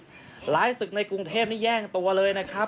หลายศึกในกรุงเทพนี่แย่งตัวเลยนะครับ